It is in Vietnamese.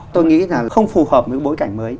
tôi nghĩ là không phù hợp với bối cảnh mới